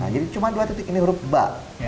jadi cuma dua titik ini huruf ba